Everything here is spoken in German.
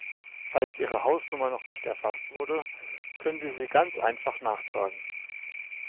Falls Ihre Hausnummer noch nicht erfasst wurde, können Sie sie ganz einfach nachtragen.